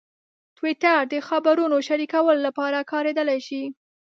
ټویټر د خبرونو شریکولو لپاره کارېدلی شي.